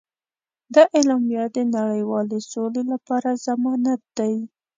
دا اعلامیه د نړیوالې سولې لپاره ضمانت دی.